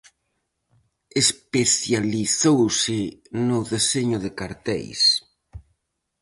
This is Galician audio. Especializouse no deseño de carteis.